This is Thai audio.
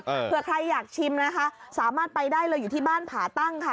เผื่อใครอยากชิมนะคะสามารถไปได้เลยอยู่ที่บ้านผาตั้งค่ะ